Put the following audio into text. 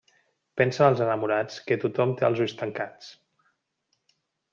Pensen els enamorats que tothom té els ulls tancats.